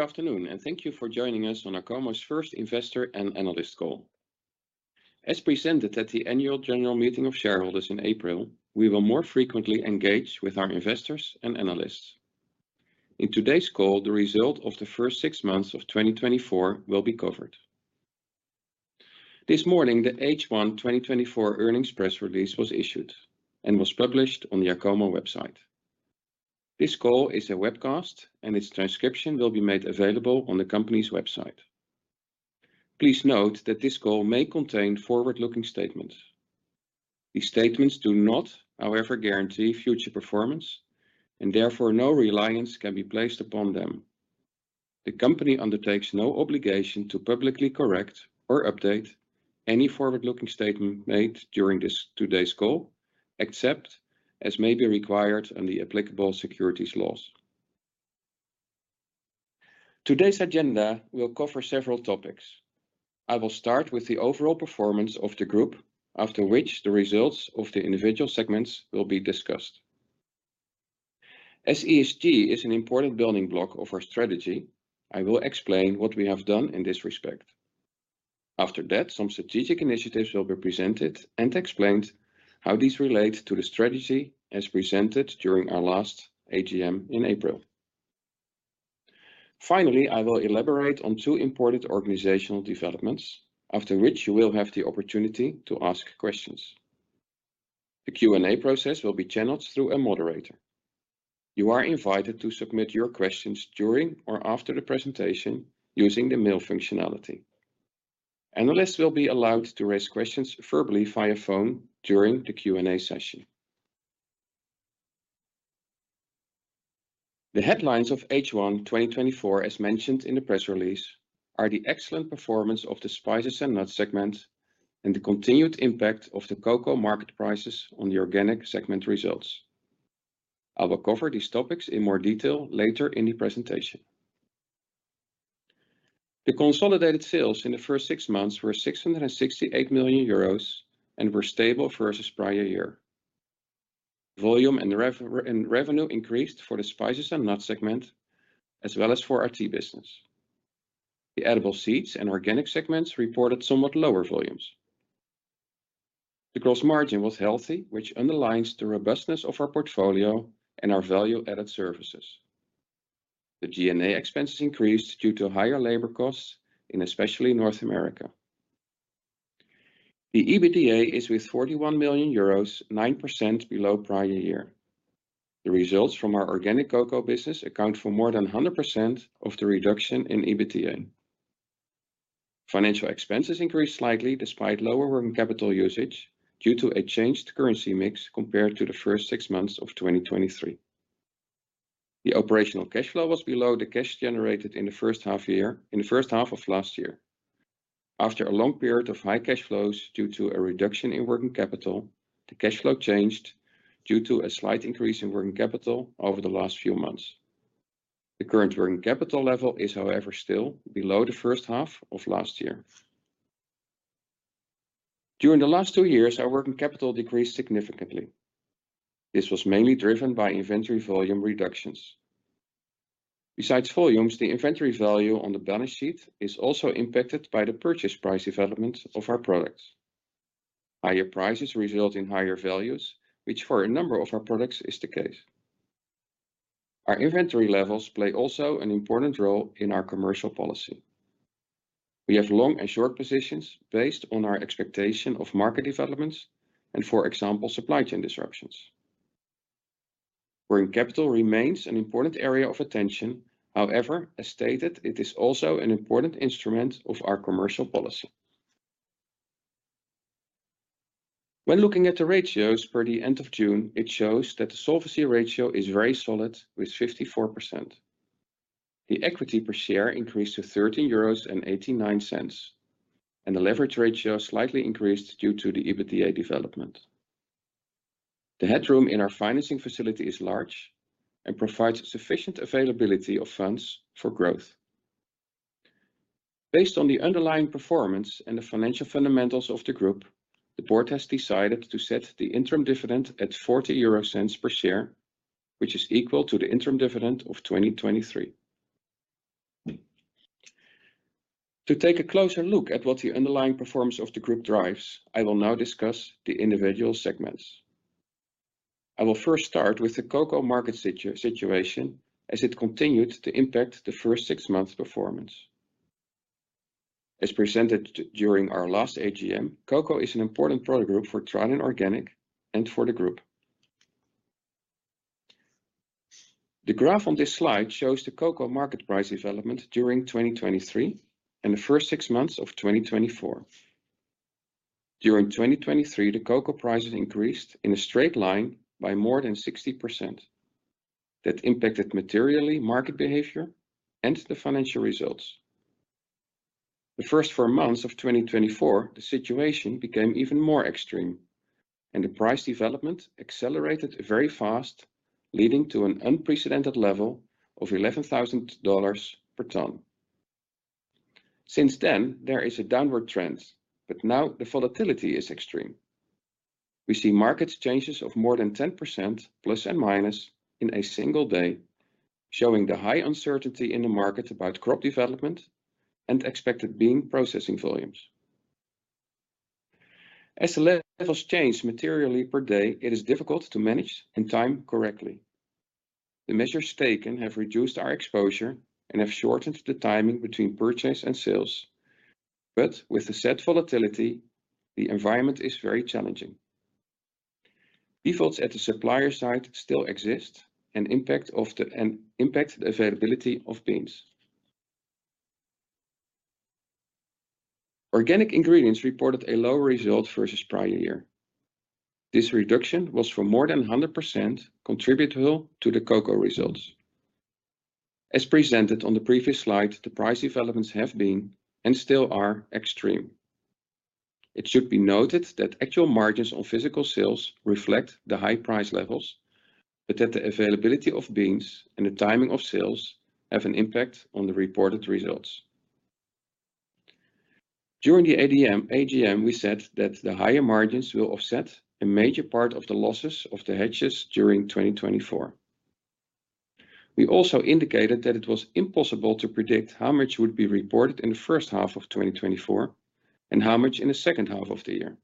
Good afternoon, and thank you for joining us on Acomo's first investor and analyst call. As presented at the annual general meeting of shareholders in April, we will more frequently engage with our investors and analysts. In today's call, the result of the first six months of 2024 will be covered. This morning, the H1 2024 earnings press release was issued and was published on the Acomo website. This call is a webcast, and its transcription will be made available on the company's website. Please note that this call may contain forward-looking statements. These statements do not, however, guarantee future performance, and therefore no reliance can be placed upon them. The company undertakes no obligation to publicly correct or update any forward-looking statement made during today's call, except as may be required under the applicable securities laws. Today's agenda will cover several topics. I will start with the overall performance of the group, after which the results of the individual segments will be discussed. As ESG is an important building block of our strategy, I will explain what we have done in this respect. After that, some strategic initiatives will be presented and explained how these relate to the strategy as presented during our last AGM in April. Finally, I will elaborate on two important organizational developments, after which you will have the opportunity to ask questions. The Q&A process will be channeled through a moderator. You are invited to submit your questions during or after the presentation using the mail functionality. Analysts will be allowed to raise questions verbally via phone during the Q&A session. The headlines of H1 2024, as mentioned in the press release, are the excellent performance of the spices and nuts segment and the continued impact of the cocoa market prices on the organic segment results. I will cover these topics in more detail later in the presentation. The consolidated sales in the first six months were 668 million euros and were stable versus prior year. Volume and revenue increased for the spices and nuts segment, as well as for our tea business. The edible seeds and organic segments reported somewhat lower volumes. The gross margin was healthy, which underlines the robustness of our portfolio and our value-added services. The G&A expenses increased due to higher labor costs, especially in North America. The EBITDA is with 41 million euros, 9% below prior year. The results from our organic cocoa business account for more than 100% of the reduction in EBITDA. Financial expenses increased slightly despite lower working capital usage due to a changed currency mix compared to the first six months of 2023. The operational cash flow was below the cash generated in the first half of last year. After a long period of high cash flows due to a reduction in working capital, the cash flow changed due to a slight increase in working capital over the last few months. The current working capital level is, however, still below the first half of last year. During the last two years, our working capital decreased significantly. This was mainly driven by inventory volume reductions. Besides volumes, the inventory value on the balance sheet is also impacted by the purchase price development of our products. Higher prices result in higher values, which for a number of our products is the case. Our inventory levels play also an important role in our commercial policy. We have long and short positions based on our expectation of market developments and, for example, supply chain disruptions. Working capital remains an important area of attention. However, as stated, it is also an important instrument of our commercial policy. When looking at the ratios per the end of June, it shows that the solvency ratio is very solid, with 54%. The equity per share increased to 13.89 euros, and the leverage ratio slightly increased due to the EBITDA development. The headroom in our financing facility is large and provides sufficient availability of funds for growth. Based on the underlying performance and the financial fundamentals of the group, the board has decided to set the interim dividend at 0.40 per share, which is equal to the interim dividend of 2023. To take a closer look at what the underlying performance of the group drives, I will now discuss the individual segments. I will first start with the cocoa market situation, as it continued to impact the first six months' performance. As presented during our last AGM, cocoa is an important product group for Tradin Organic and for the group. The graph on this slide shows the cocoa market price development during 2023 and the first six months of 2024. During 2023, the cocoa prices increased in a straight line by more than 60%. That impacted materially market behavior and the financial results. The first four months of 2024, the situation became even more extreme, and the price development accelerated very fast, leading to an unprecedented level of $11,000 per ton. Since then, there is a downward trend, but now the volatility is extreme. We see market changes of more than 10%, plus and minus, in a single day, showing the high uncertainty in the market about crop development and expected bean processing volumes. As the levels change materially per day, it is difficult to manage and time correctly. The measures taken have reduced our exposure and have shortened the timing between purchase and sales. But with the set volatility, the environment is very challenging. Defaults at the supplier side still exist and impact the availability of beans. Organic ingredients reported a lower result versus prior year. This reduction was for more than 100%, contributable to the cocoa results. As presented on the previous slide, the price developments have been and still are extreme. It should be noted that actual margins on physical sales reflect the high price levels, but that the availability of beans and the timing of sales have an impact on the reported results. During the AGM, we said that the higher margins will offset a major part of the losses of the hedges during 2024. We also indicated that it was impossible to predict how much would be reported in the first half of 2024 and how much in the second half of the year.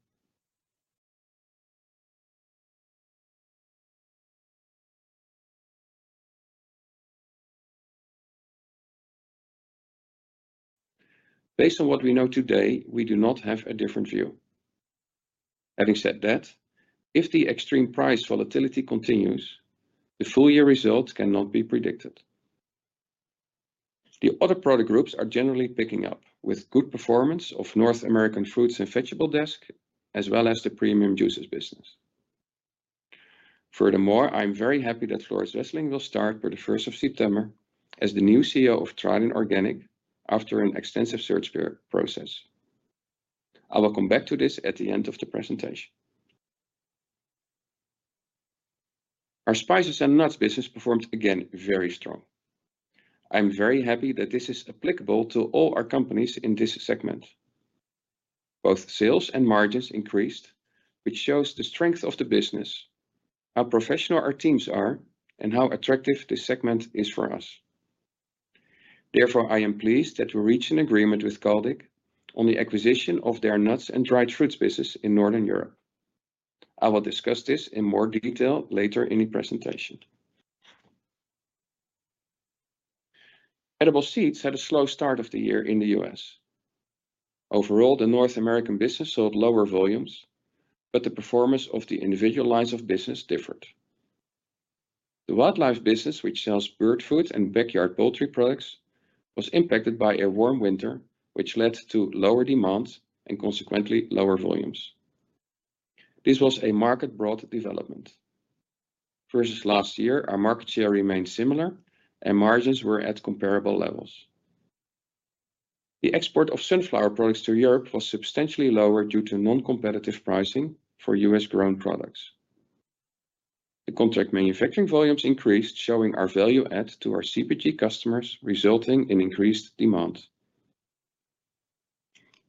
Based on what we know today, we do not have a different view. Having said that, if the extreme price volatility continues, the full year result cannot be predicted. The other product groups are generally picking up, with good performance of North American Fruit and Vegetable Desk, as well as the premium juices business. Furthermore, I am very happy that Floris Wesseling will start per the 1st of September as the new CEO of Tradin Organic, after an extensive search process. I will come back to this at the end of the presentation. Our spices and nuts business performed again very strong. I am very happy that this is applicable to all our companies in this segment. Both sales and margins increased, which shows the strength of the business, how professional our teams are, and how attractive this segment is for us. Therefore, I am pleased that we reached an agreement with Caldic on the acquisition of their nuts and dried fruits business in Northern Europe. I will discuss this in more detail later in the presentation. Edible seeds had a slow start of the year in the U.S. Overall, the North American business sold lower volumes, but the performance of the individual lines of business differed. The wildlife business, which sells bird food and backyard poultry products, was impacted by a warm winter, which led to lower demand and consequently lower volumes. This was a market-broad development. Versus last year, our market share remained similar, and margins were at comparable levels. The export of sunflower products to Europe was substantially lower due to non-competitive pricing for U.S.-grown products. The contract manufacturing volumes increased, showing our value add to our CPG customers, resulting in increased demand.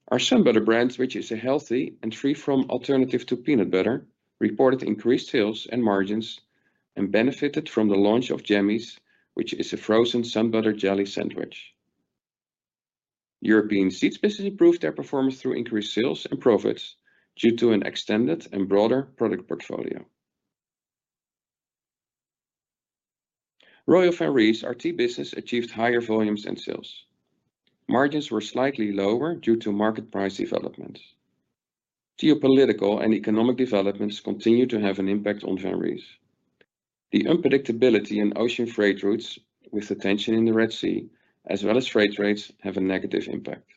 Our SunButter brand, which is a healthy and free-from alternative to peanut butter, reported increased sales and margins and benefited from the launch of Jammers, which is a frozen SunButter jelly sandwich. European seeds business improved their performance through increased sales and profits due to an extended and broader product portfolio. Royal Van Rees, our tea business, achieved higher volumes and sales. Margins were slightly lower due to market price developments. Geopolitical and economic developments continue to have an impact on Van Rees. The unpredictability in ocean freight routes, with the tension in the Red Sea, as well as freight rates, have a negative impact.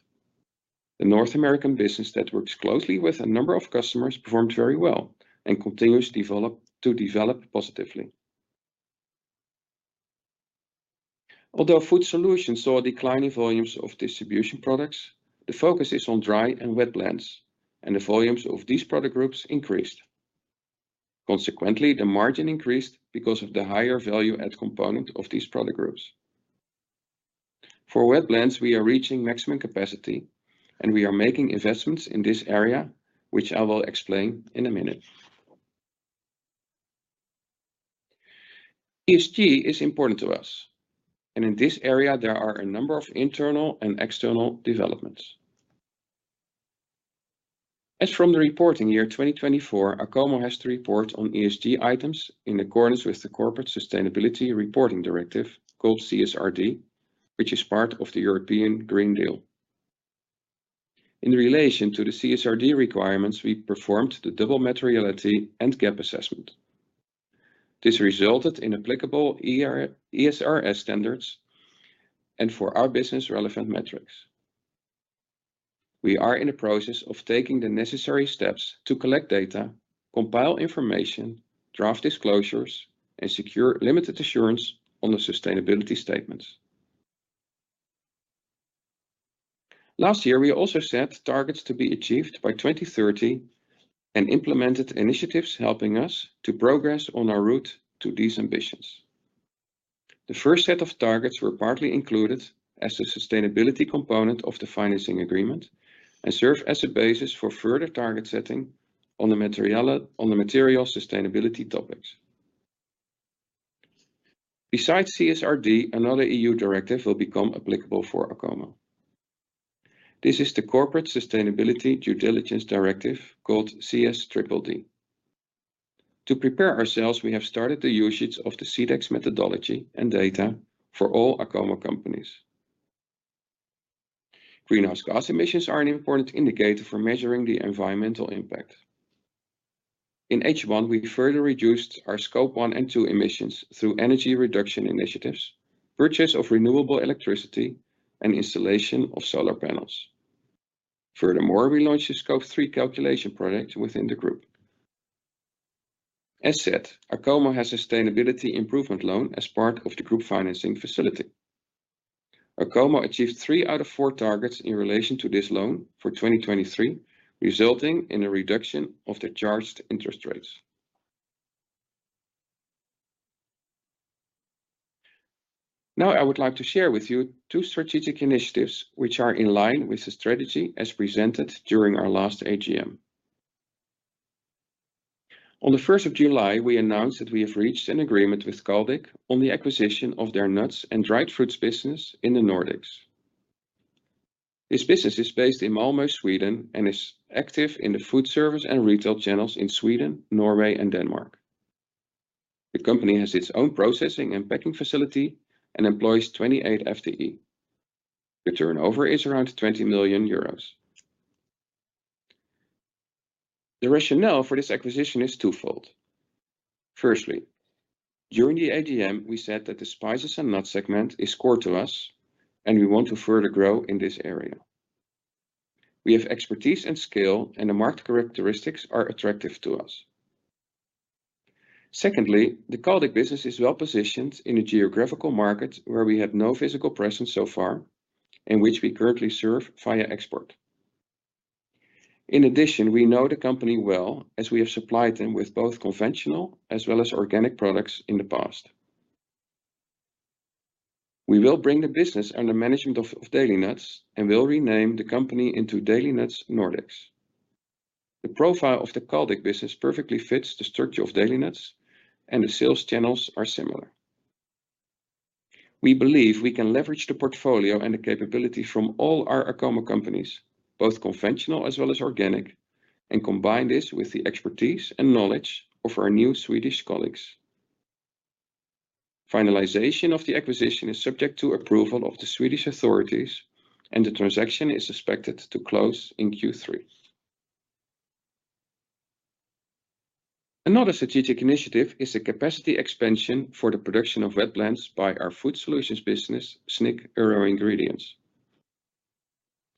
The North American business that works closely with a number of customers performed very well and continues to develop positively. Although food solutions saw declining volumes of distribution products, the focus is on dry and wet blends, and the volumes of these product groups increased. Consequently, the margin increased because of the higher value-add component of these product groups. For wet blends, we are reaching maximum capacity, and we are making investments in this area, which I will explain in a minute. ESG is important to us, and in this area, there are a number of internal and external developments. As from the reporting year 2024, Acomo has to report on ESG items in accordance with the Corporate Sustainability Reporting Directive, called CSRD, which is part of the European Green Deal. In relation to the CSRD requirements, we performed the double materiality and gap assessment. This resulted in applicable ESRS standards and for our business relevant metrics. We are in the process of taking the necessary steps to collect data, compile information, draft disclosures, and secure limited assurance on the sustainability statements. Last year, we also set targets to be achieved by 2030 and implemented initiatives helping us to progress on our route to these ambitions. The first set of targets were partly included as the sustainability component of the financing agreement and serve as a basis for further target setting on the material sustainability topics. Besides CSRD, another EU directive will become applicable for Acomo. This is the Corporate Sustainability Due Diligence Directive, called CSDDD. To prepare ourselves, we have started the usage of the Sedex methodology and data for all Acomo companies. Greenhouse gas emissions are an important indicator for measuring the environmental impact. In H1, we further reduced our Scope 1 and 2 emissions through energy reduction initiatives, purchase of renewable electricity, and installation of solar panels. Furthermore, we launched the Scope 3 calculation project within the group. As said, Acomo has a sustainability improvement loan as part of the group financing facility. Acomo achieved three out of four targets in relation to this loan for 2023, resulting in a reduction of the charged interest rates. Now, I would like to share with you two strategic initiatives which are in line with the strategy as presented during our last AGM. On the 1st of July, we announced that we have reached an agreement with Caldic on the acquisition of their nuts and dried fruits business in the Nordics. This business is based in Malmö, Sweden, and is active in the food service and retail channels in Sweden, Norway, and Denmark. The company has its own processing and packing facility and employs 28 FTE. The turnover is around 20 million euros. The rationale for this acquisition is twofold. Firstly, during the AGM, we said that the spices and nuts segment is core to us, and we want to further grow in this area. We have expertise and skill, and the market characteristics are attractive to us. Secondly, the Caldic business is well positioned in a geographical market where we had no physical presence so far, in which we currently serve via export. In addition, we know the company well, as we have supplied them with both conventional as well as organic products in the past. We will bring the business under management of Delinuts and will rename the company into Delinuts Nordics. The profile of the Caldic business perfectly fits the structure of Delinuts, and the sales channels are similar. We believe we can leverage the portfolio and the capability from all our Acomo companies, both conventional as well as organic, and combine this with the expertise and knowledge of our new Swedish colleagues. Finalization of the acquisition is subject to approval of the Swedish authorities, and the transaction is expected to close in Q3. Another strategic initiative is the capacity expansion for the production of wet blends by our food solutions business, Snick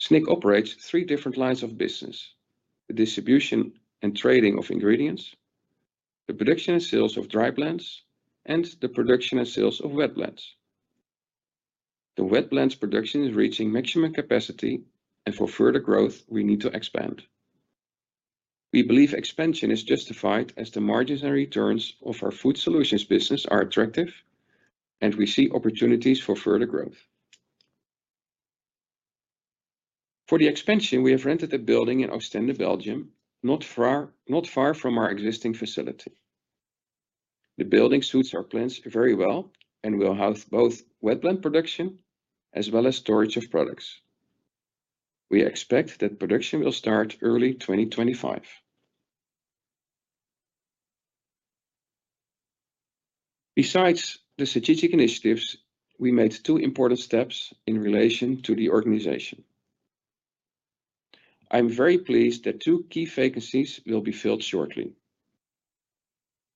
EuroIngredients. Snick operates three different lines of business: the distribution and trading of ingredients, the production and sales of dry blends, and the production and sales of wet blends. The wet blends production is reaching maximum capacity, and for further growth, we need to expand. We believe expansion is justified as the margins and returns of our food solutions business are attractive, and we see opportunities for further growth. For the expansion, we have rented a building in Oostende, Belgium, not far from our existing facility. The building suits our blends very well and will house both wet blends production as well as storage of products. We expect that production will start early 2025. Besides the strategic initiatives, we made two important steps in relation to the organization. I am very pleased that two key vacancies will be filled shortly.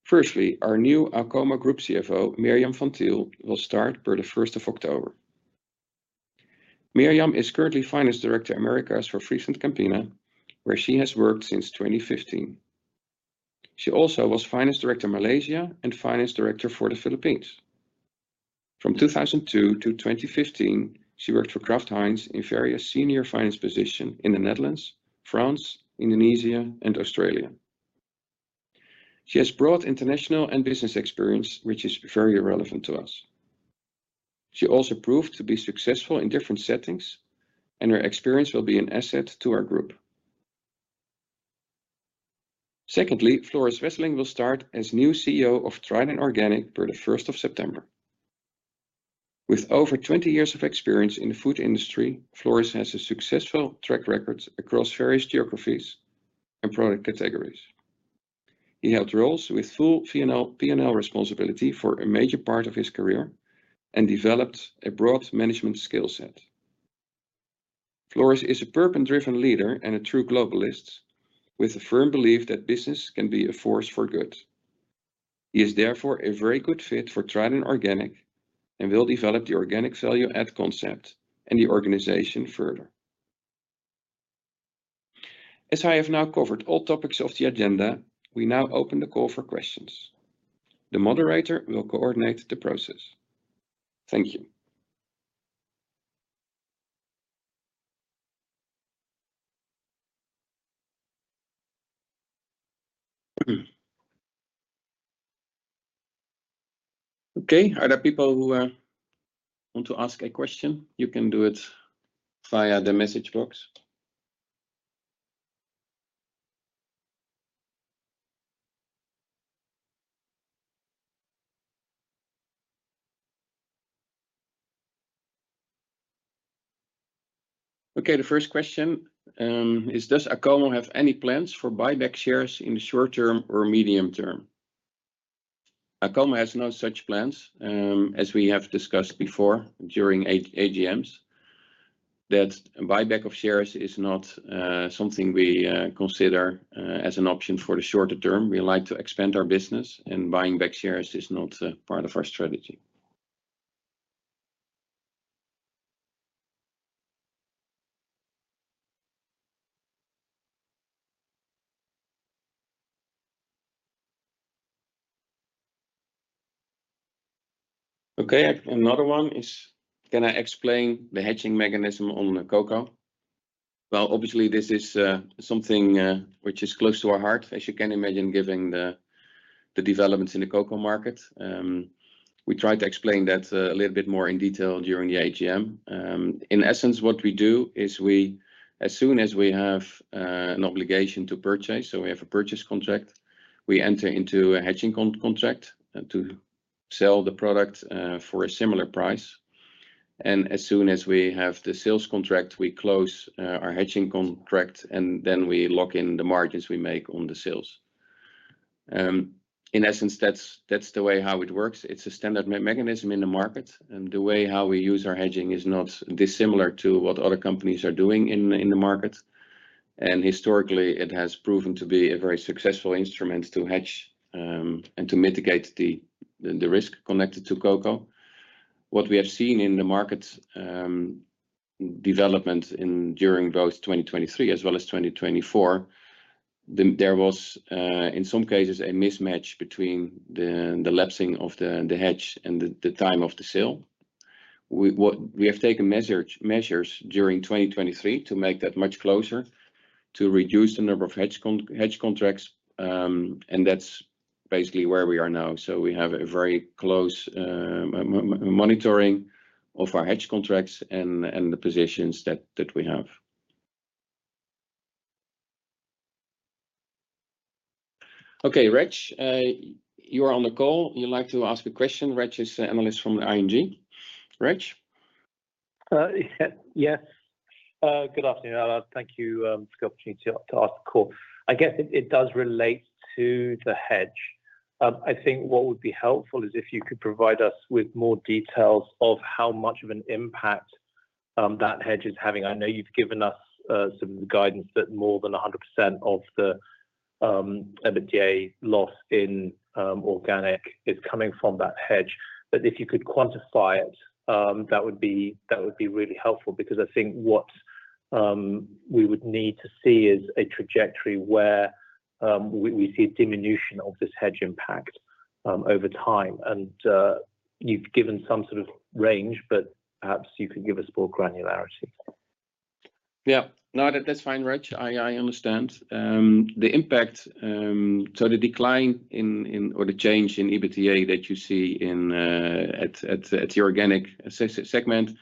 Firstly, our new Acomo Group CFO, Mirjam van Thiel, will start per the 1st of October. Mirjam is currently Finance Director America for FrieslandCampina, where she has worked since 2015. She also was Finance Director Malaysia and Finance Director for the Philippines. From 2002 to 2015, she worked for Kraft Heinz in various senior finance positions in the Netherlands, France, Indonesia, and Australia. She has broad international and business experience, which is very relevant to us. She also proved to be successful in different settings, and her experience will be an asset to our group. Secondly, Floris Wesseling will start as new CEO of Tradin Organic per the 1st of September. With over 20 years of experience in the food industry, Floris has a successful track record across various geographies and product categories. He held roles with full P&L responsibility for a major part of his career and developed a broad management skill set. Floris is a purpose-driven leader and a true globalist, with a firm belief that business can be a force for good. He is therefore a very good fit for Tradin Organic and will develop the organic value add concept and the organization further. As I have now covered all topics of the agenda, we now open the call for questions. The moderator will coordinate the process. Thank you. Okay, are there people who want to ask a question? You can do it via the message box. Okay, the first question is: Does Acomo have any plans for buyback shares in the short term or medium term? Acomo has no such plans, as we have discussed before during AGMs, that buyback of shares is not something we consider as an option for the shorter term. We like to expand our business, and buying back shares is not part of our strategy. Okay, another one is: Can I explain the hedging mechanism on the cocoa? Well, obviously, this is something which is close to our heart, as you can imagine, given the developments in the cocoa market. We tried to explain that a little bit more in detail during the AGM. In essence, what we do is, as soon as we have an obligation to purchase, so we have a purchase contract, we enter into a hedging contract to sell the product for a similar price. As soon as we have the sales contract, we close our hedging contract, and then we lock in the margins we make on the sales. In essence, that's the way how it works. It's a standard mechanism in the market, and the way how we use our hedging is not dissimilar to what other companies are doing in the market. Historically, it has proven to be a very successful instrument to hedge and to mitigate the risk connected to cocoa. What we have seen in the market development during both 2023 as well as 2024, there was, in some cases, a mismatch between the lapsing of the hedge and the time of the sale. We have taken measures during 2023 to make that much closer, to reduce the number of hedge contracts, and that's basically where we are now. So we have a very close monitoring of our hedge contracts and the positions that we have. Okay, Reg, you are on the call. You like to ask a question. Reg is an analyst from the ING. Reg? Yes. Good afternoon. Thank you for the opportunity to ask the call. I guess it does relate to the hedge. I think what would be helpful is if you could provide us with more details of how much of an impact that hedge is having. I know you've given us some of the guidance that more than 100% of the EBITDA loss in organic is coming from that hedge. But if you could quantify it, that would be really helpful because I think what we would need to see is a trajectory where we see a diminution of this hedge impact over time. And you've given some sort of range, but perhaps you could give us more granularity. Yeah, no, that's fine, Reg. I understand. The impact, so the decline or the change in EBITDA that you see at the organic segment,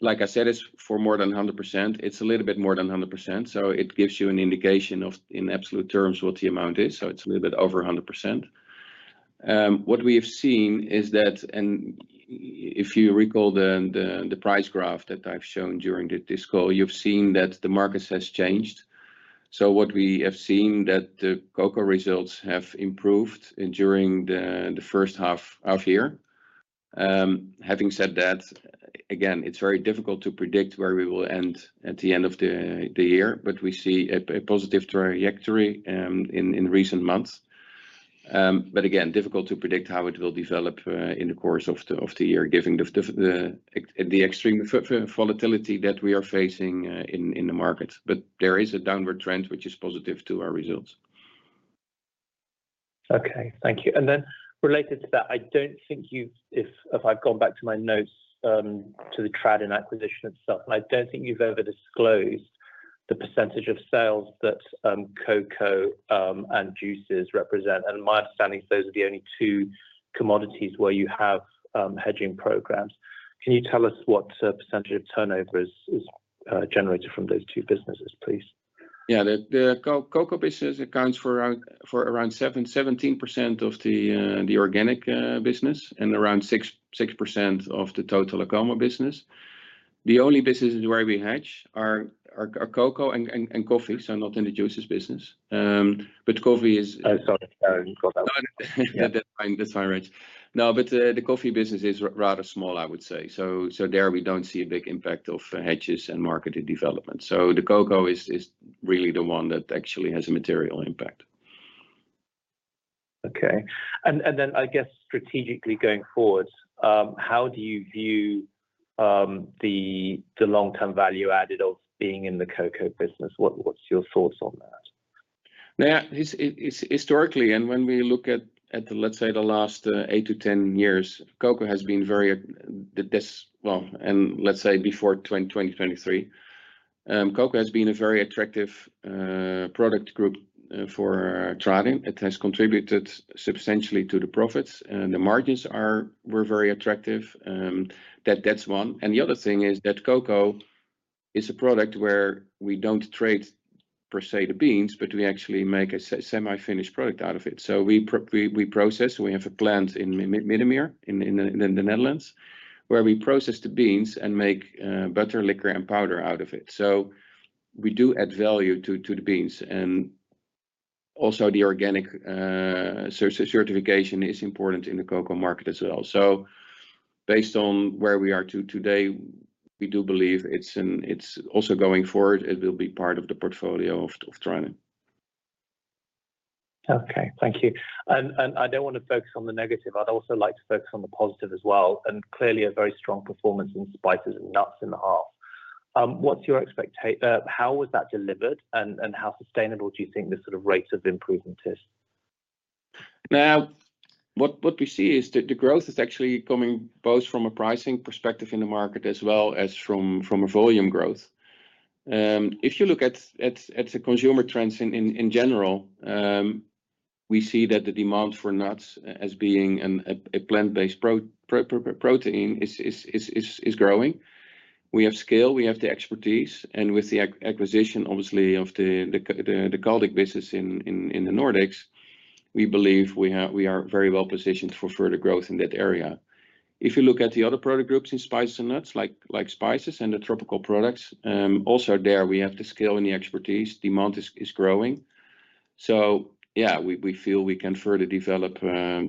like I said, it's for more than 100%. It's a little bit more than 100%. So it gives you an indication of, in absolute terms, what the amount is. So it's a little bit over 100%. What we have seen is that, and if you recall the price graph that I've shown during this call, you've seen that the market has changed. So what we have seen is that the cocoa results have improved during the first half of year. Having said that, again, it's very difficult to predict where we will end at the end of the year, but we see a positive trajectory in recent months. But again, difficult to predict how it will develop in the course of the year, given the extreme volatility that we are facing in the market. But there is a downward trend, which is positive to our results. Okay, thank you. And then related to that, I don't think you've, if I've gone back to my notes to the Tradin acquisition itself, I don't think you've ever disclosed the percentage of sales that cocoa and juices represent. And my understanding is those are the only two commodities where you have hedging programs. Can you tell us what percentage of turnover is generated from those two businesses, please? Yeah, the cocoa business accounts for around 17% of the organic business and around 6% of the total Acomo business. The only businesses where we hedge are cocoa and coffee, so not in the juices business. But coffee is— Sorry, sorry. That's fine, Reg. No, but the coffee business is rather small, I would say. So there, we don't see a big impact of hedges and market development. So the cocoa is really the one that actually has a material impact. Okay. And then, I guess, strategically going forward, how do you view the long-term value added of being in the cocoa business? What's your thoughts on that? Yeah, historically, and when we look at, let's say, the last 8-10 years, cocoa has been very, well, and let's say before 2023, cocoa has been a very attractive product group for Tradin. It has contributed substantially to the profits. The margins were very attractive. That's one. And the other thing is that cocoa is a product where we don't trade, per se, the beans, but we actually make a semi-finished product out of it. So we process, we have a plant in Middenmeer in the Netherlands where we process the beans and make butter, liquor, and powder out of it. So we do add value to the beans. And also, the organic certification is important in the cocoa market as well. So based on where we are today, we do believe it's also going forward. It will be part of the portfolio of Tradin. Okay, thank you. And I don't want to focus on the negative. I'd also like to focus on the positive as well. And clearly, a very strong performance in spices and nuts in the half. What's your expectation? How was that delivered? And how sustainable do you think this sort of rate of improvement is? Now, what we see is that the growth is actually coming both from a pricing perspective in the market as well as from a volume growth. If you look at the consumer trends in general, we see that the demand for nuts as being a plant-based protein is growing. We have scale, we have the expertise, and with the acquisition, obviously, of the Caldic business in the Nordics, we believe we are very well positioned for further growth in that area. If you look at the other product groups in spices and nuts, like spices and the tropical products, also there, we have the skill and the expertise, demand is growing. So yeah, we feel we can further develop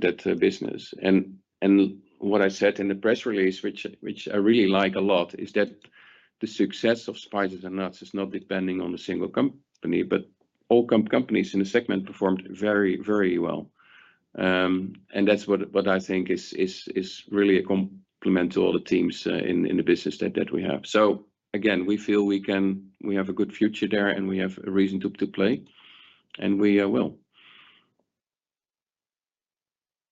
that business. And what I said in the press release, which I really like a lot, is that the success of spices and nuts is not depending on a single company, but all companies in the segment performed very, very well. That's what I think is really a compliment to all the teams in the business that we have. So again, we feel we have a good future there, and we have a reason to play, and we will.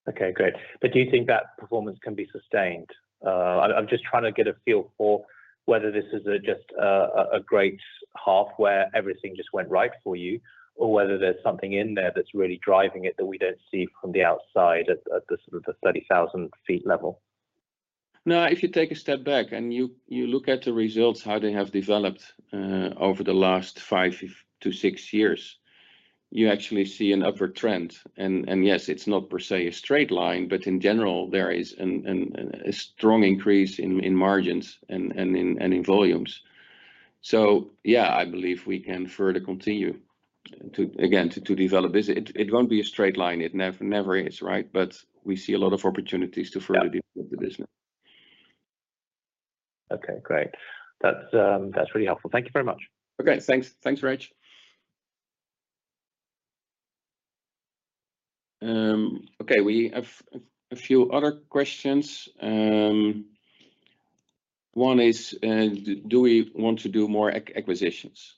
Okay, great. But do you think that performance can be sustained? I'm just trying to get a feel for whether this is just a great half where everything just went right for you, or whether there's something in there that's really driving it that we don't see from the outside at the sort of 30,000 feet level. No, if you take a step back and you look at the results, how they have developed over the last five to six years, you actually see an upward trend. And yes, it's not per se a straight line, but in general, there is a strong increase in margins and in volumes. So yeah, I believe we can further continue, again, to develop. It won't be a straight line. It never is, right? But we see a lot of opportunities to further develop the business. Okay, great. That's really helpful. Thank you very much. Okay, thanks, Reg. Okay, we have a few other questions. One is, do we want to do more acquisitions?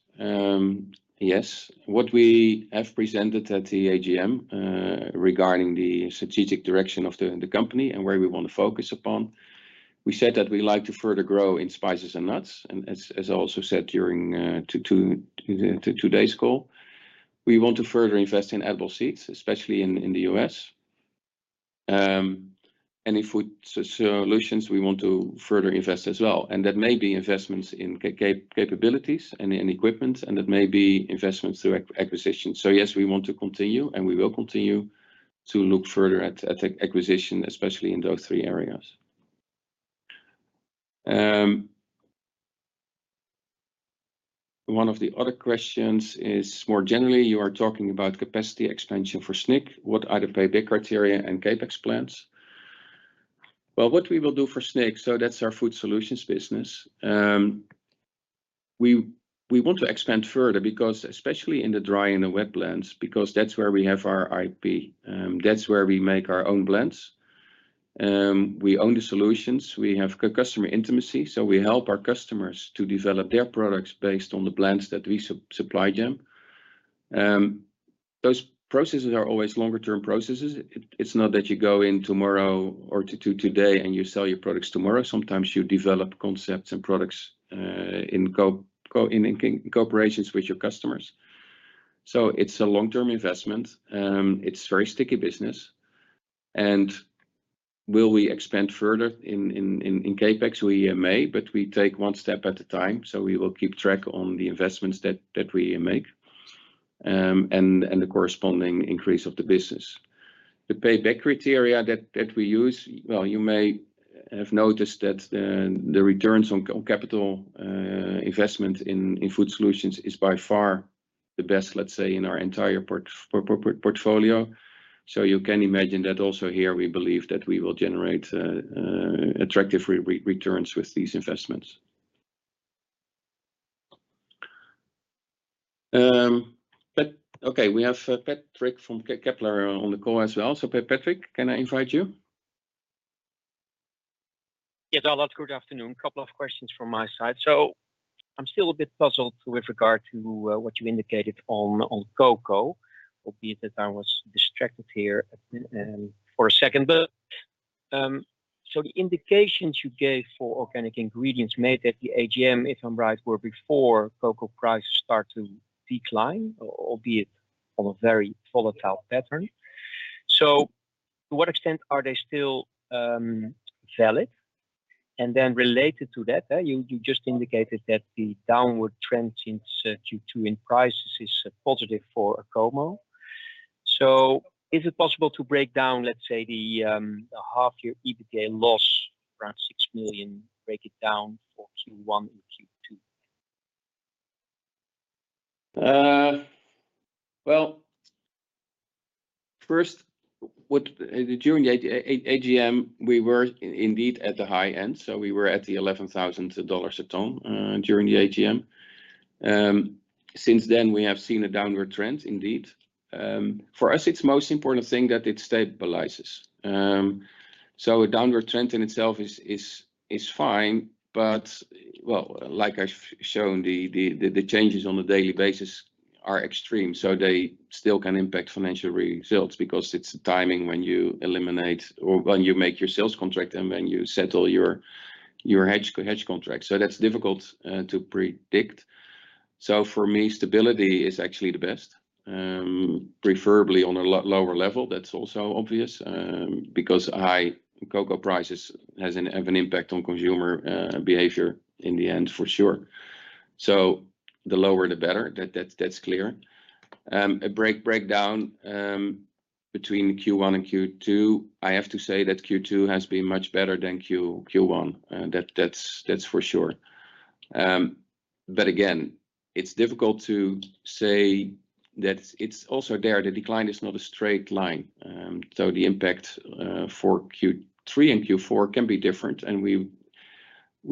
Yes. What we have presented at the AGM regarding the strategic direction of the company and where we want to focus upon, we said that we like to further grow in spices and nuts. And as I also said during today's call, we want to further invest in edible seeds, especially in the U.S. And in food solutions, we want to further invest as well. And that may be investments in capabilities and in equipment, and that may be investments through acquisitions. So yes, we want to continue, and we will continue to look further at acquisition, especially in those three areas. One of the other questions is more generally, you are talking about capacity expansion for Snick, what are the payback criteria and CapEx plans? Well, what we will do for Snick, so that's our food solutions business. We want to expand further because, especially in the dry and the wet blends, because that's where we have our IP, that's where we make our own blends. We own the solutions. We have customer intimacy, so we help our customers to develop their products based on the blends that we supply them. Those processes are always longer-term processes. It's not that you go in tomorrow or today and you sell your products tomorrow. Sometimes you develop concepts and products in cooperations with your customers. So it's a long-term investment. It's a very sticky business. Will we expand further in CapEx? We may, but we take one step at a time. We will keep track on the investments that we make and the corresponding increase of the business. The payback criteria that we use, well, you may have noticed that the returns on capital investment in food solutions is by far the best, let's say, in our entire portfolio. So you can imagine that also here, we believe that we will generate attractive returns with these investments. Okay, we have Patrick from Kepler on the call as well. So Patrick, can I invite you? Yes, Allard, good afternoon. Couple of questions from my side. So I'm still a bit puzzled with regard to what you indicated on cocoa, albeit that I was distracted here for a second. So the indications you gave for organic ingredients at the AGM, if I'm right, were before cocoa prices start to decline, albeit on a very volatile pattern. So to what extent are they still valid? And then related to that, you just indicated that the downward trend in Q2 in prices is positive for Acomo. So is it possible to break down, let's say, the half-year EBITDA loss around 6 million, break it down for Q1 and Q2? Well, first, during the AGM, we were indeed at the high end. So we were at the $11,000 a ton during the AGM. Since then, we have seen a downward trend, indeed. For us, it's the most important thing that it stabilizes. So a downward trend in itself is fine, but, well, like I've shown, the changes on a daily basis are extreme. So they still can impact financial results because it's the timing when you eliminate or when you make your sales contract and when you settle your hedge contract. So that's difficult to predict. So for me, stability is actually the best, preferably on a lower level. That's also obvious because high cocoa prices have an impact on consumer behavior in the end, for sure. So the lower, the better. That's clear. A breakdown between Q1 and Q2, I have to say that Q2 has been much better than Q1. That's for sure. But again, it's difficult to say that it's also there. The decline is not a straight line. So the impact for Q3 and Q4 can be different, and we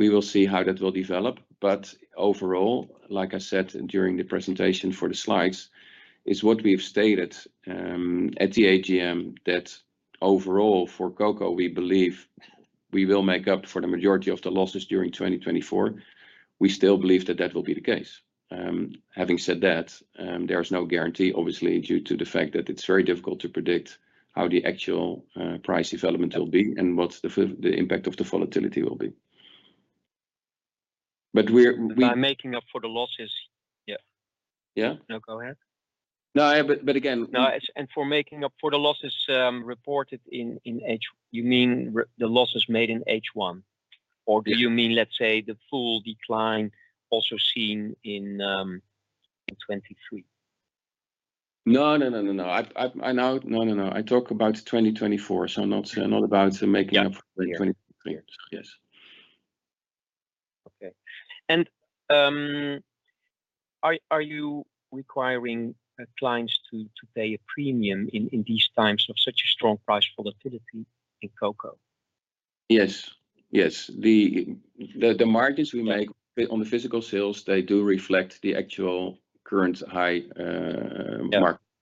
will see how that will develop. Overall, like I said during the presentation for the slides, it's what we've stated at the AGM that overall for cocoa, we believe we will make up for the majority of the losses during 2024. We still believe that that will be the case. Having said that, there is no guarantee, obviously, due to the fact that it's very difficult to predict how the actual price development will be and what the impact of the volatility will be. By making up for the losses, yeah. Yeah? No, go ahead. No, and for making up for the losses reported in H1, you mean the losses made in H1? Or do you mean, let's say, the full decline also seen in 2023? No, no, no, no, no. No, no, no. I talk about 2024, so not about making up for 2023. Yes. Okay. Are you requiring clients to pay a premium in these times of such a strong price volatility in cocoa? Yes. Yes. The margins we make on the physical sales, they do reflect the actual current high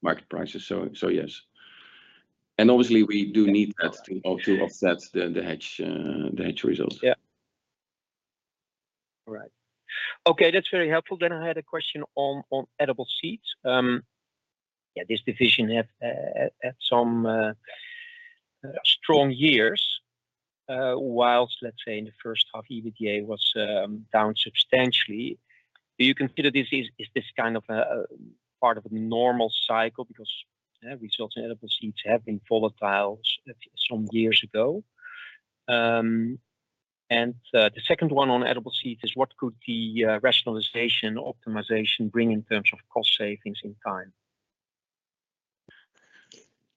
market prices. So yes. And obviously, we do need that to offset the hedge results. Yeah. All right. Okay, that's very helpful. I had a question on edible seeds. Yeah, this division had some strong years, while, let's say, in the first half, EBITDA was down substantially. Do you consider this kind of part of a normal cycle because results in edible seeds have been volatile some years ago? And the second one on edible seeds is what could the rationalization optimization bring in terms of cost savings in time?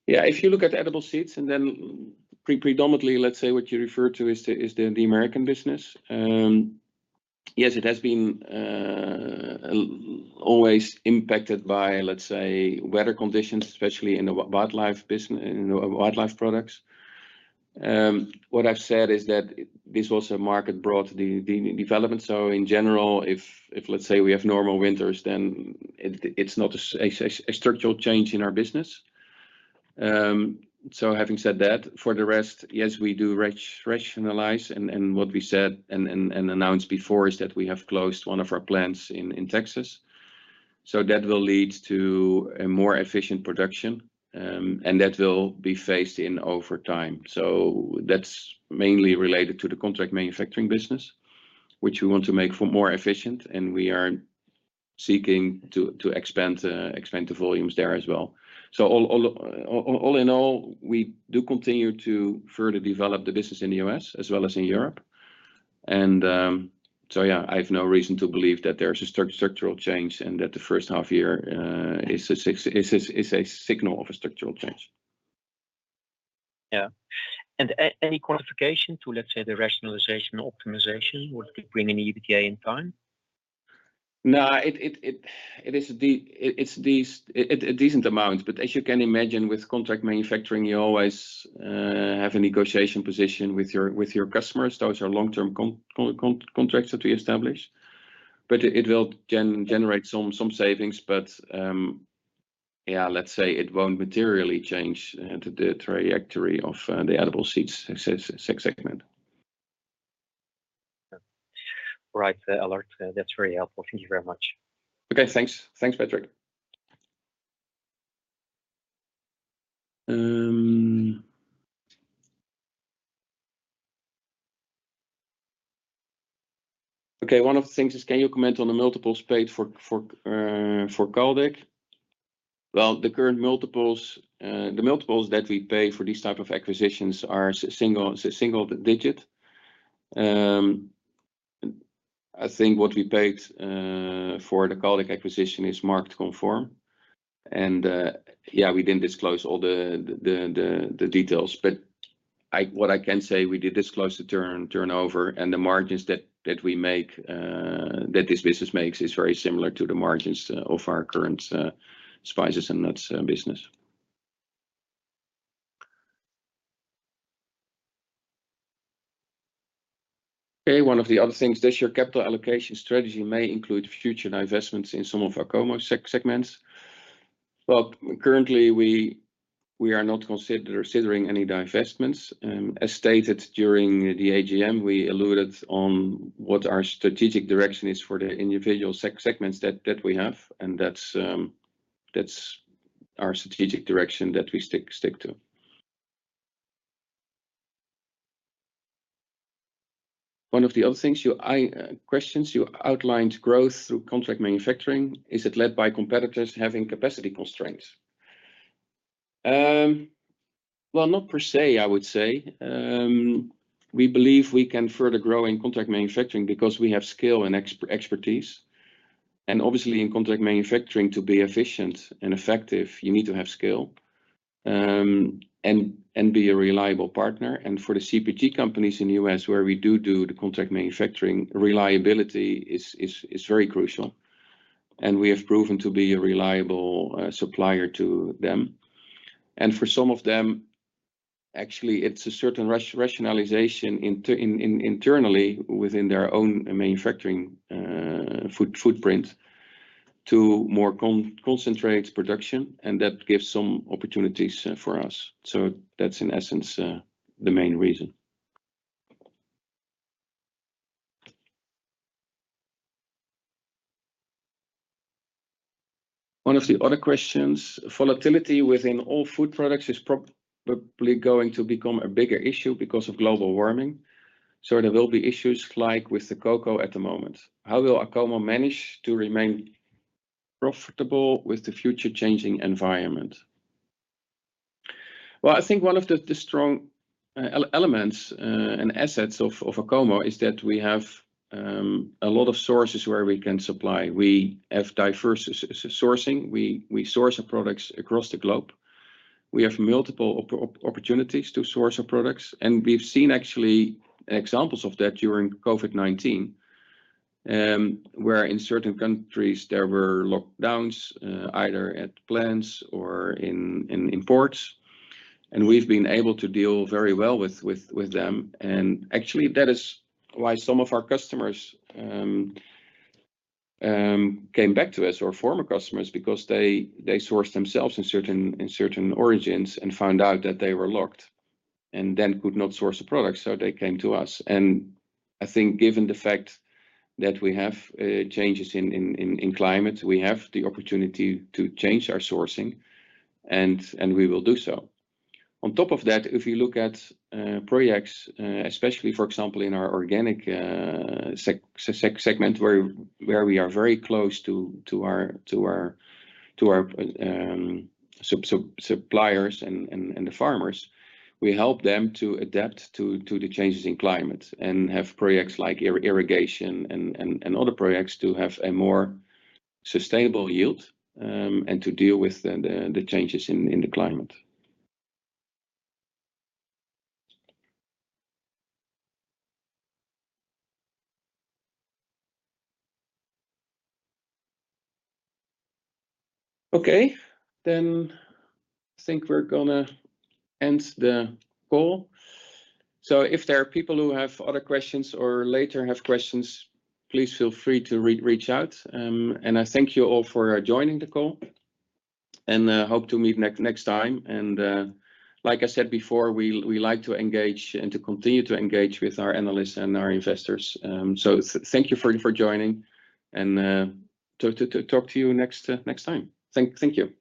Yeah, if you look at edible seeds, and then predominantly, let's say, what you refer to is the American business, yes, it has been always impacted by, let's say, weather conditions, especially in the wildlife products. What I've said is that this was a market-broad development. So in general, if, let's say, we have normal winters, then it's not a structural change in our business. So having said that, for the rest, yes, we do rationalize. And what we said and announced before is that we have closed one of our plants in Texas. So that will lead to a more efficient production, and that will be phased in over time. So that's mainly related to the contract manufacturing business, which we want to make more efficient, and we are seeking to expand the volumes there as well. So all in all, we do continue to further develop the business in the U.S. as well as in Europe. And so yeah, I have no reason to believe that there's a structural change and that the first half year is a signal of a structural change. Yeah. And any qualification to, let's say, the rationalization optimization would bring in EBITDA in time? No, it is a decent amount. But as you can imagine, with contract manufacturing, you always have a negotiation position with your customers. Those are long-term contracts that we establish. But it will generate some savings. But yeah, let's say it won't materially change the trajectory of the edible seeds segment. All right, Allard. That's very helpful. Thank you very much. Okay, thanks. Thanks, Patrick. Okay, one of the things is, can you comment on the multiples paid for Caldic? Well, the current multiples, the multiples that we pay for these types of acquisitions are single-digit. I think what we paid for the Caldic acquisition is market conform. And yeah, we didn't disclose all the details. But what I can say, we did disclose the turnover, and the margins that this business makes is very similar to the margins of our current spices and nuts business. Okay, one of the other things is your capital allocation strategy may include future divestments in some of our common segments. Well, currently, we are not considering any divestments. As stated during the AGM, we alluded to what our strategic direction is for the individual segments that we have. And that's our strategic direction that we stick to. One of the other questions you outlined is growth through contract manufacturing. Is it led by competitors having capacity constraints? Well, not per se, I would say. We believe we can further grow in contract manufacturing because we have skill and expertise. And obviously, in contract manufacturing, to be efficient and effective, you need to have skill and be a reliable partner. And for the CPG companies in the U.S., where we do do the contract manufacturing, reliability is very crucial. And we have proven to be a reliable supplier to them. And for some of them, actually, it's a certain rationalization internally within their own manufacturing footprint to more concentrate production, and that gives some opportunities for us. So that's, in essence, the main reason. One of the other questions, volatility within all food products is probably going to become a bigger issue because of global warming. So there will be issues like with the cocoa at the moment. How will Acomo manage to remain profitable with the future-changing environment? Well, I think one of the strong elements and assets of Acomo is that we have a lot of sources where we can supply. We have diverse sourcing. We source products across the globe. We have multiple opportunities to source our products. And we've seen actually examples of that during COVID-19, where in certain countries, there were lockdowns either at plants or in ports. And we've been able to deal very well with them. And actually, that is why some of our customers came back to us or former customers, because they sourced themselves in certain origins and found out that they were locked and then could not source the products. So they came to us. I think given the fact that we have changes in climate, we have the opportunity to change our sourcing, and we will do so. On top of that, if you look at projects, especially, for example, in our organic segment, where we are very close to our suppliers and the farmers, we help them to adapt to the changes in climate and have projects like irrigation and other projects to have a more sustainable yield and to deal with the changes in the climate. Okay, then I think we're going to end the call. So if there are people who have other questions or later have questions, please feel free to reach out. I thank you all for joining the call and hope to meet next time. Like I said before, we like to engage and to continue to engage with our analysts and our investors. Thank you for joining and talk to you next time. Thank you.